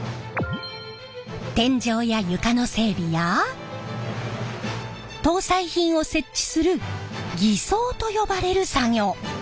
天井や床の整備や搭載品を設置する艤装と呼ばれる作業！